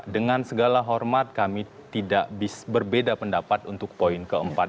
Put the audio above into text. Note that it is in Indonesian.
dengan segala hormat kami tidak berbeda pendapat untuk poin keempat